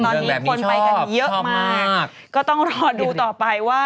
ตอนนี้คนไปกันเยอะมากก็ต้องรอดูต่อไปว่า